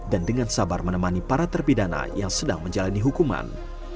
dan dengan sabar menemani para terpidana yang sedang menjalani hukuman